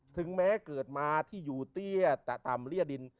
ถึงแม้เกิดมาที่อยู่เตี้ยตะต่ำเรียดิน